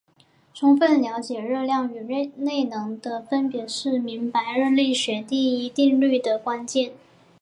充分了解热量与内能的分别是明白热力学第一定律的关键。